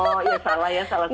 oh ya salah ya salah